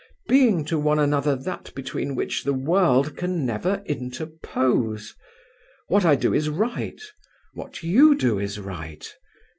being to one another that between which the world can never interpose! What I do is right: what you do is right.